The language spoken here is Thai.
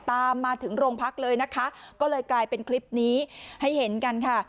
ตามมาถึงโรงพักเลยนะคะก็เลยกลายเป็นคลิปนี้ให้เห็นกันค่ะ